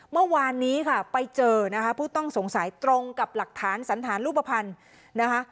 เมื่อวานนี้ค่ะไปเจอนะคะผู้ต้องสงสัยตรงกับหลักฐานสันฐานรูปภัณฑ์นะคะ